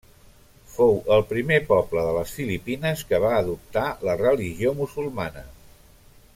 Fou el primer poble de les Filipines que va adoptar la religió musulmana.